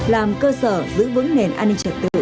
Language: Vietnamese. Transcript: làm cơ sở giữ vững nền an ninh trật tự